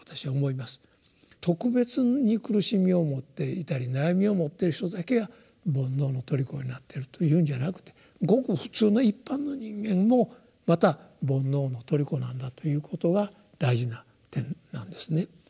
特別に苦しみを持っていたり悩みを持ってる人だけが「煩悩」の虜になってるというんじゃなくてごく普通の一般の人間もまた「煩悩」の虜なんだということが大事な点なんですね。